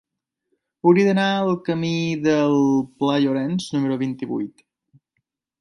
Hauria d'anar al camí del Pla Llorenç número vint-i-vuit.